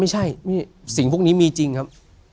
ไม่ใช่สิ่งพวกนี้มีจริงครับ